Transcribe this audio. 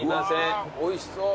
うわおいしそう。